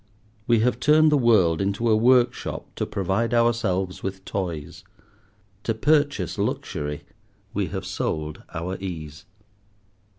We have turned the world into a workshop to provide ourselves with toys. To purchase luxury we have sold our ease.